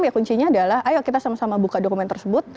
ya kuncinya adalah ayo kita sama sama buka dokumen tersebut